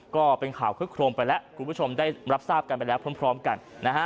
ก็เป็นข่าวคึกโครมไปแล้วคุณผู้ชมได้รับทราบกันไปแล้วพร้อมกันนะฮะ